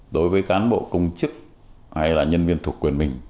đối với cán bộ công chức hay là nhân viên thuộc quyền mình